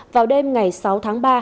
vào đêm ngày sáu tháng ba